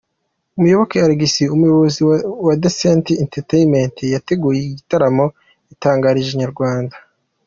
Muyoboke Alex umuyobozi wa Decent Entertainment yateguye iki gitaramo, yatangarije Inyarwanda.